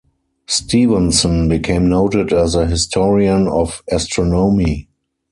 Steavenson became noted as a historian of astronomy.